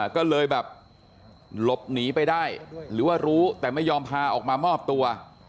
ก็เลยแบบหลบหนีไปได้หรือว่ารู้แต่ไม่ยอมพาออกมามอบตัว